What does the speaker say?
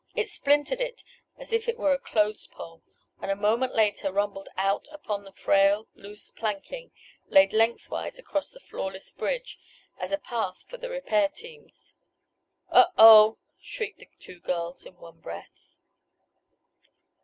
It splintered it as if it were a clothes pole, and, a moment later, rumbled out upon the frail, loose planking, laid length wise across the floorless bridge, as a path for the repair teams. "Oh! Oh!" shrieked the two girls in one breath.